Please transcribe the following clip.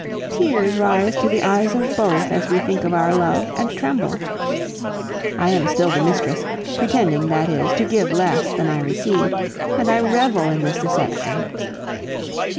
Tears rise to the eyes of both as we think of our love and tremble. I am still the mistress, pretending, that is, to give less than I receive, and I revel in this deception.